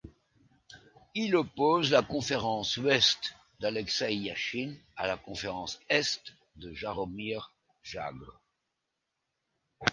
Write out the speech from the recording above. Il oppose la Conférence Ouest d'Alekseï Iachine à la Conférence Est de Jaromír Jágr.